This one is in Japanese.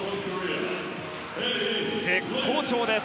絶好調です！